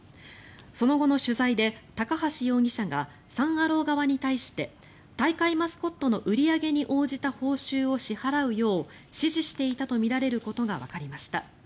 その後の取材で高橋容疑者がサン・アロー側に対して大会マスコットの売り上げに応じた報酬を支払うよう指示していたとみられることがわかりました。